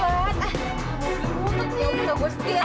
gue udah muntut ya udah gue setir